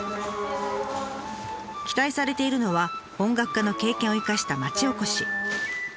期待されているのは音楽家の経験を生かした町おこし。